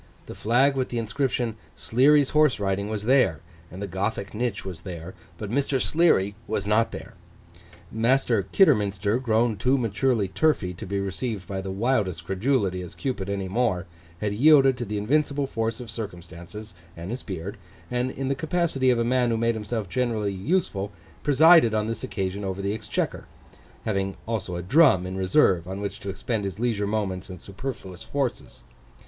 The flag with the inscription SLEARY'S HORSE RIDING was there; and the Gothic niche was there; but Mr. Sleary was not there. Master Kidderminster, grown too maturely turfy to be received by the wildest credulity as Cupid any more, had yielded to the invincible force of circumstances (and his beard), and, in the capacity of a man who made himself generally useful, presided on this occasion over the exchequer—having also a drum in reserve, on which to expend his leisure moments and superfluous forces.